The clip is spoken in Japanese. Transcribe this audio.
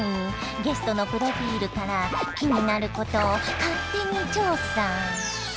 ゲストのプロフィールから気になることを勝手に調査！